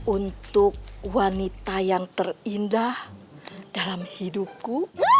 untuk wanita yang terindah dalam hidupku